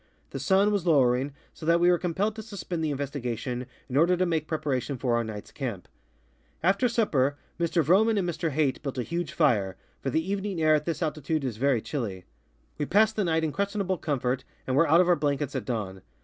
The sun was lowering, so that we were compelled to suspend the investigation in order to make preparation for our night's camp. After sup per, Mr Vroman and Mr Hayt built a huge fire, for the evening air at this altitude is very chilly. We passed the night in ques tionable comfort and were out of our blankets at dawn.